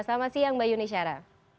selamat siang mbak yuni syara